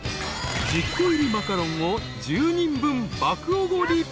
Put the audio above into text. ［１０個入りマカロンを１０人分爆おごり。